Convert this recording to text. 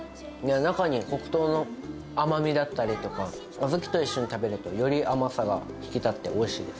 中に黒糖の甘みだったりとか、小豆と一緒に食べると、より甘さが引き立って、おいしい。